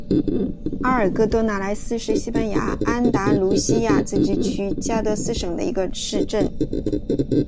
阿尔戈多纳莱斯是西班牙安达卢西亚自治区加的斯省的一个市镇。